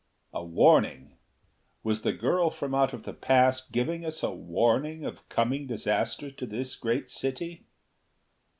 A warning! Was the girl from out of the past giving us a warning of coming disaster to this great city?